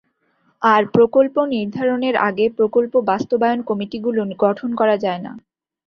আর প্রকল্প নির্ধারণের আগে প্রকল্প বাস্তবায়ন কমিটিগুলো গঠন করা যায় না।